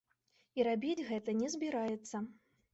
І рабіць гэта не збіраецца.